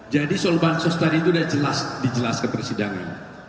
jadi soal bansos tadi itu sudah dijelas ke persidangan